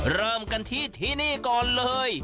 เริ่มกันที่ที่นี่ก่อนเลย